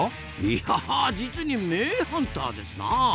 いや実に名ハンターですなあ！